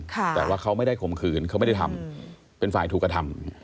แต่ว่าเขาไม่ได้ข่มขืนเขาไม่ได้ทำเป็นฝ่ายถูกกระทำ